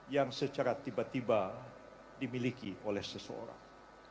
yang secara tiba tiba dimiliki oleh seseorang